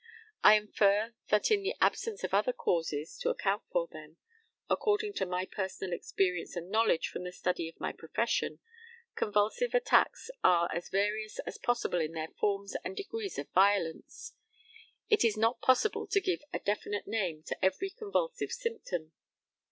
I infer that in the absence of other causes to account for them. According to my personal experience and knowledge from the study of my profession, convulsive attacks are as various as possible in their forms and degrees of violence. It is not possible to give a definite name to every convulsive symptom.